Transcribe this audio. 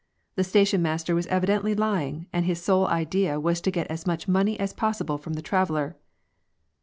The station master was evidently lying, and his sole idea was to get as much money as possible horn the traveller.